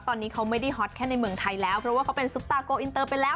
ตอนนี้เขาไม่ได้ฮอตแค่ในเมืองไทยแล้วเพราะว่าเขาเป็นซุปตาโกอินเตอร์ไปแล้ว